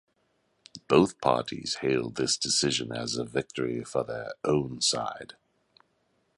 Both parties hailed this decision as a victory for their own side.